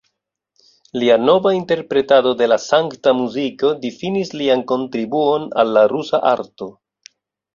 Lia nova interpretado de la sankta muziko difinis lian kontribuon al la rusa arto.